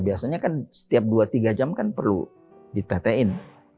biasanya kan setiap dua tiga jam kan perlu ditetein